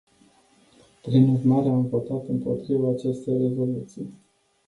Prin urmare, am votat împotriva acestei rezoluții.